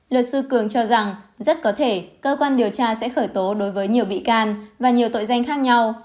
luật sư cường cho rằng rất có thể cơ quan điều tra sẽ khởi tố đối với nhiều bị can và nhiều tội danh khác nhau